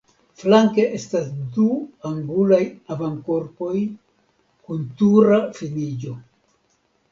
Flanke estas du angulaj avankorpoj kun tura finiĝo.